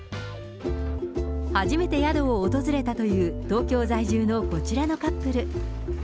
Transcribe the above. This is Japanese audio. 初めて宿を訪れたという東京在住のこちらのカップル。